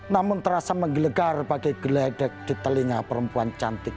namun terasa menggelegar bagi geledek di telinga perempuan cantik